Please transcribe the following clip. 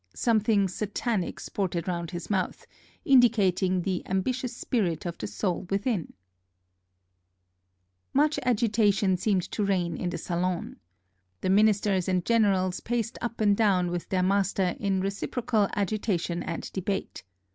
Something Satanic sported round his mouth, indicating the ambi tious spirit of the soul within ! Much agitation seemed to reign in the salon. The ministers and generals paced up and down with their master in reciprocal agitation and debate.